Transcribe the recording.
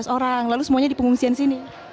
sebelas orang lalu semuanya di pengungsian sini